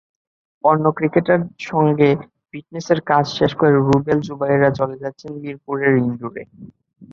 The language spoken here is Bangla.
অন্য ক্রিকেটারদের সঙ্গে ফিটনেসের কাজ শেষ করে রুবেল-জুবায়েররা চলে যাচ্ছেন মিরপুরের ইনডোরে।